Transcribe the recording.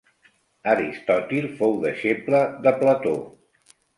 Aristòtil fou deixeble de Plató.